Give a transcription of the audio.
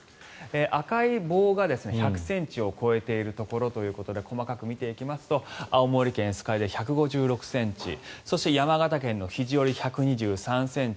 赤い棒が１００ｃｍを超えているところということで細かく見ていきますと青森県酸ケ湯で１５６ｃｍそして、山形県の肘折１２３ｃｍ。